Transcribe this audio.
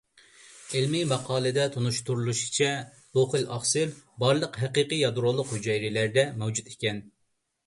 ئىلمىي ماقالىدە تونۇشتۇرۇلۇشىچە، بۇ خىل ئاقسىل بارلىق ھەقىقىي يادرولۇق ھۈجەيرىلەردە مەۋجۇت ئىكەن.